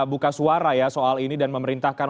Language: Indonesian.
buka suara ya soal ini dan memerintahkan